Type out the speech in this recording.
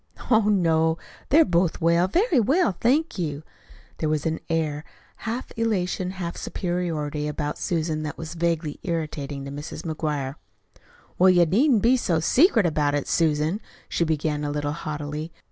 "Oh, no, they're both well very well, thank you." There was an air, half elation, half superiority, about Susan that was vaguely irritating to Mrs. McGuire. "Well, you needn't be so secret about it, Susan," she began a little haughtily.